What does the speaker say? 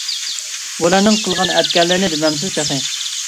بۇلارنىڭ قىلغان - ئەتكەنلىرىنى دېمەمسىز تېخى.